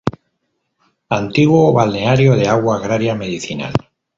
Antiguo balneario de agua agria medicinal.